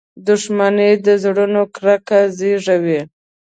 • دښمني د زړونو کرکه زیږوي.